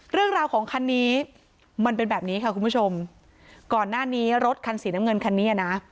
เรื่องราวของคันนี้มันเป็นแบบนี้ค่ะคุณผู้ชมก่อนหน้านี้รถคันสีน้ำเงินคันนี้อ่ะนะ